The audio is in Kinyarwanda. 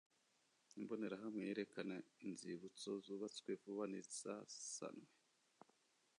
Imbonerahamwe yerekana inzibutso zubatswe vuba n’izasanwe